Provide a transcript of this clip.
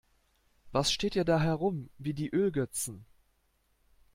Was steht ihr da herum wie die Ölgötzen?